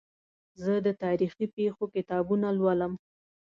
زه د تاریخي پېښو کتابونه لولم.